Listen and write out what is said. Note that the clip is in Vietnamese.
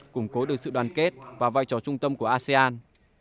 củng cố được sự đoàn kết và vai trò trung tâm của asean